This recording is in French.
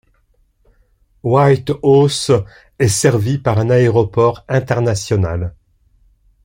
Whitehorse est servie par un aéroport international.